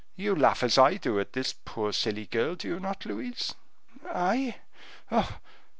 You laugh as I do, at this poor silly girl, do you not, Louise?" "I? oh!